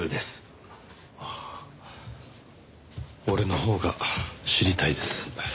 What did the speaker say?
俺のほうが知りたいです。